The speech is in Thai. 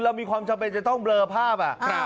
มีความจำเป็นจะต้องเบลอภาพ